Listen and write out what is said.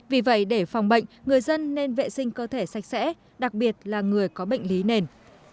vì vậy để phòng bệnh người dân nên vệ sinh cơ thể sạch sẽ đặc biệt là người có bệnh lý nền